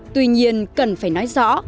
tuy nhiên cần phải nói rõ